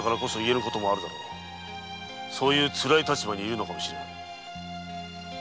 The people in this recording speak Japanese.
そういう辛い立場にいるのかもしれぬ。